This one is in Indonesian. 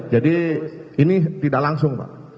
jadi ini tidak langsung